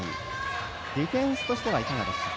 ディフェンスとしてはいかがでしたか。